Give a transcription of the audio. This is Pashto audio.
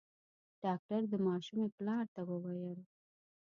ډاکټر د ماشومي پلار ته وويل :